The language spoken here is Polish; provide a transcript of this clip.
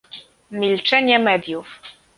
Milczenie mediów